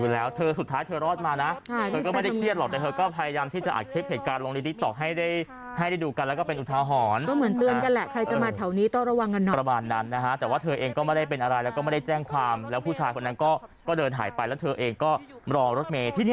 แล้วก็รถเมล์มาพอดีฉันก็ขึ้น